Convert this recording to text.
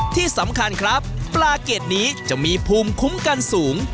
ที่สำคัญครับปลาเกรดนี้จะมีภูมิคุ้มกันสูง